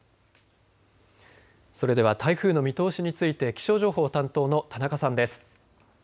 それでは台風の見通しについて気象情報担当の田中さんです。